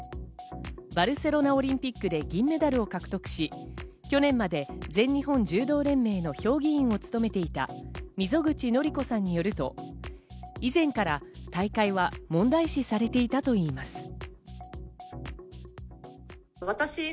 バルセロナオリンピックで銀メダルを獲得し、去年まで全日本柔道連盟の評議員を務めていた溝口紀子さんによると、以前から大会は問題視されていたといいます。